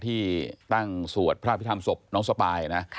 ที่ตั้งสวดพระพิธรรมศพน้องสปายนะ